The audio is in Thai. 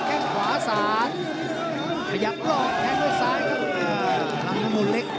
แข่งมูลซ้ายครับลำน้ำมูลเล็ก